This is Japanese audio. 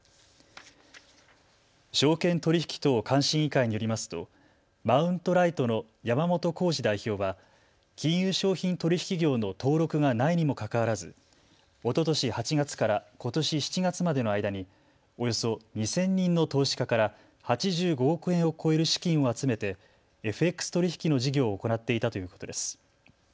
証券取引等監視委員会によりますとＭｔ．ｌｉｇｈｔの山本紘士代表は金融商品取引業の登録がないにもかかわらずおととし８月からことし７月までの間におよそ２０００人の投資家から８５億円を超える資金を集めてＦＸ取引の事業を行っていたということです。